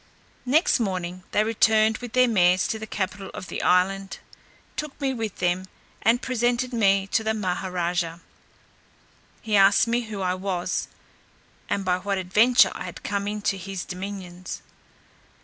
Next morning they returned with their mares to the capital of the island, took me with them, and presented me to the Maha raja. He asked me who I was, and by what adventure I had come into his dominions?